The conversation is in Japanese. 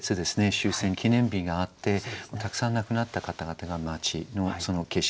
終戦記念日があってたくさん亡くなった方々が街のその景色